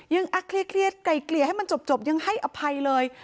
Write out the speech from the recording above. ยังอักเครียดกล่ายเกลียดให้มันจบยังให้อภัยเลย